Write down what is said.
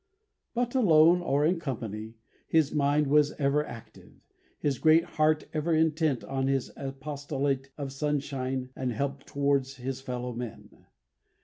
But alone or in company his mind was ever active, his great heart ever intent on his apostolate of sunshine and help towards his fellow men.